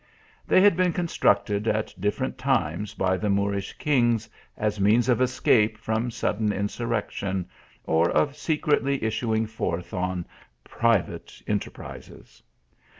They had been constructed at different times, by the Moorish kings, as means of escape from sudden in surrection, or of secretly issuing forth on private enterprises.